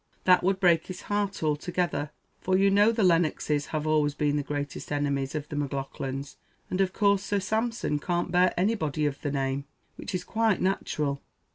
That would break his heart altogether; for you know the Lennoxes have always been the greatest enemies of the Maclaughlans, and of course Sir Sampson can't bear anybody of the name, which is quite natural.